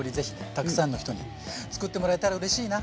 たくさんの人につくってもらえたらうれしいな。